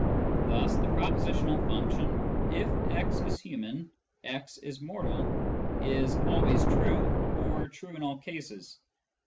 Thus the propositional function " if x is human, x is mortal " is " always true," or " true in all cases."